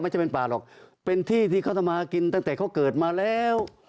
จะเป็นป่าหรอกเป็นที่ที่เขาทำมากินตั้งแต่เขาเกิดมาแล้ว